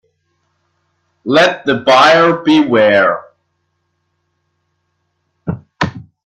Let the buyer beware.